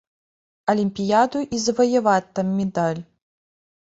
Алімпіяду і заваяваць там медаль.